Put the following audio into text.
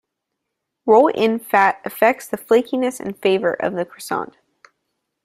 Roll-in fat affects the flakiness and flavor of the croissant.